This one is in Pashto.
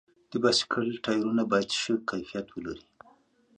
د بایسکل ټایرونه باید ښه کیفیت ولري.